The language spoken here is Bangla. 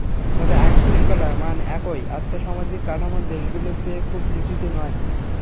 তবে আইনশৃঙ্খলার মান একই আর্থসামাজিক কাঠামোর দেশগুলোর চেয়ে খুব নিচুতে নয়।